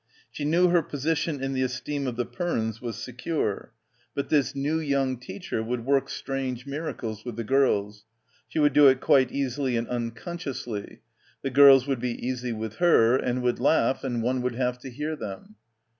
She knew her position in the esteem of the Pernes was secure. But this new young 158 BACKWATER teacher would work strange miracles with the girls. She would do it quite easily and uncon sciously. The girls would be easy with her and would laugh and one would have to hear them.